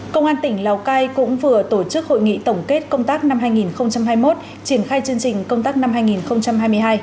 công an tỉnh lào cai cũng vừa tổ chức hội nghị tổng kết công tác năm hai nghìn hai mươi một triển khai chương trình công tác năm hai nghìn hai mươi hai